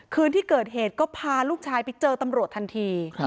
คืนที่เกิดเหตุก็พาลูกชายไปเจอตำรวจทันที